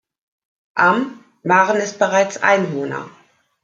Am waren es bereits Einwohner.